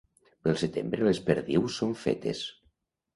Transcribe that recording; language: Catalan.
Pel setembre les perdius són fetes.